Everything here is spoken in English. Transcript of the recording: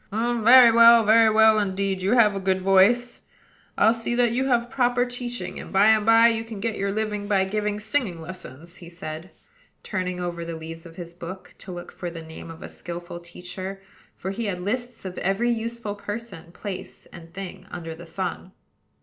"Very well, very well, indeed: you have a good voice. I'll see that you have proper teaching; and, by and by, you can get your living by giving singing lessons," he said, turning over the leaves of his book, to look for the name of a skilful teacher; for he had lists of every useful person, place, and thing under the sun.